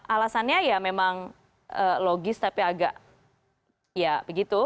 alasannya ya memang logis tapi agak ya begitu